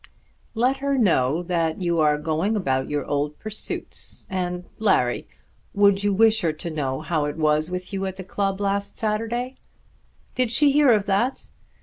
"Let her know that you are going about your old pursuits. And, Larry, would you wish her to know how it was with you at the club last Saturday?" "Did she hear of that?"